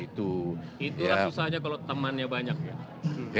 itulah susahnya kalau temannya banyak ya